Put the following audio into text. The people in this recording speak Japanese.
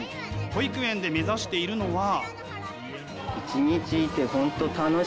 保育園で目指しているのは。